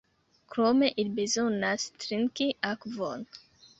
Krome ili bezonas trinki akvon.